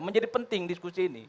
menjadi penting diskusi ini